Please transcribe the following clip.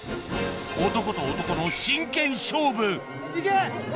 男と男の真剣勝負行け！